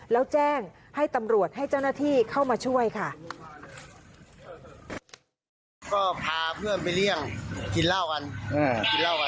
แล้วแจ้งให้ตำรวจให้เจ้าหน้าที่เข้ามาช่วยค่ะ